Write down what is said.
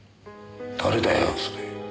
誰だよそれ。